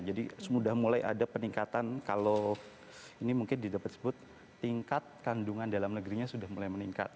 jadi sudah mulai ada peningkatan kalau ini mungkin didebut tingkat kandungan dalam negerinya sudah mulai meningkat